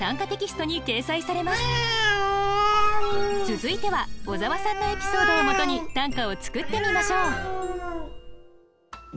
続いては小沢さんのエピソードをもとに短歌を作ってみましょう。